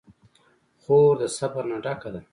خور د صبر نه ډکه ده.